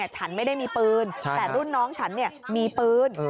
ฉันไม่ได้มีปืนแต่รุ่นน้องฉันมีปืน